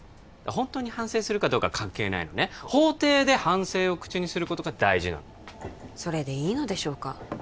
ホントに反省するかどうかは関係ないのね法廷で反省を口にすることが大事なのそれでいいのでしょうか？